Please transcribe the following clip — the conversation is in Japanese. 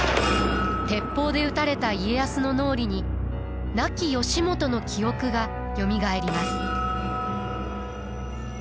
鉄砲で撃たれた家康の脳裏に亡き義元の記憶がよみがえります。